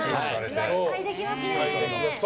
期待できますね。